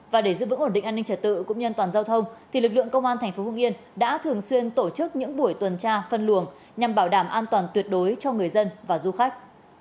và để giữ vững ổn định an ninh trật tự cũng như an toàn giao thông thì lực lượng công an tp hương yên đã thường xuyên tổ chức những buổi tuần tra phân luồng nhằm bảo đảm an toàn tuyệt đối cho người dân và du khách